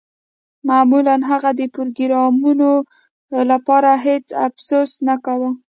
معمولاً هغه د پروګرامرانو لپاره هیڅ افسوس نه کاوه